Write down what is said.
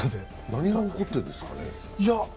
何が起こっているんですかね？